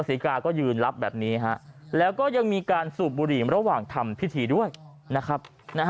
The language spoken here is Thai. ศรีกาก็ยืนรับแบบนี้ฮะแล้วก็ยังมีการสูบบุหรี่ระหว่างทำพิธีด้วยนะครับ